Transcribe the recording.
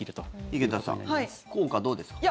井桁さん効果、どうですか？